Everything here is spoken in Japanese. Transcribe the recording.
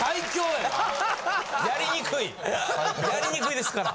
やりにくいですから。